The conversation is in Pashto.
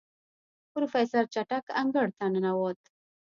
پروفيسر چټک انګړ ته ووت.